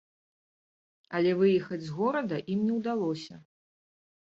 Але выехаць з горада ім не ўдалося.